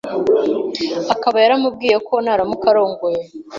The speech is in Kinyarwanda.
akaba yaramubwiye ko naramuka arongoye